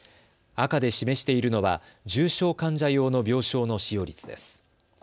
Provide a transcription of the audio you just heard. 赤で示しているのは重症患者用の病床の使用率です。